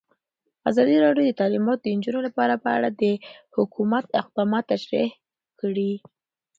ازادي راډیو د تعلیمات د نجونو لپاره په اړه د حکومت اقدامات تشریح کړي.